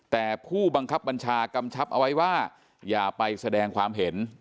แต่ผู้บังคับบัญชากำชับเอาไว้ว่าอย่าไปแสดงความเห็น